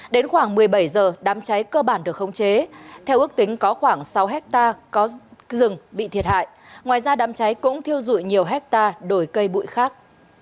đến khoảng một mươi bảy giờ đám cháy cơ bản được khống chế theo ước tính có khoảng sáu hecta có rừng bị thiệt hại ngoài ra đám cháy cũng thiêu rụi nhiều hecta đồi cây bụi khác